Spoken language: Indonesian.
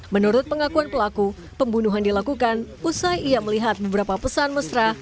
menurut pengakuan pelaku pembunuhan dilakukan usai ia melihat beberapa pesan mesra